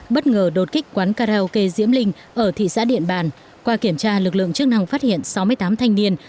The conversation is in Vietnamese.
bất ngờ đột kích quán karaoke diễm linh ở thị xã điện bàn qua kiểm tra lực lượng chức năng phát hiện sáu mươi tám thanh niên